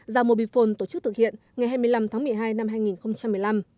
ra mobifone tổ chức thực hiện ngày hai mươi năm tháng một mươi hai năm hai nghìn một mươi năm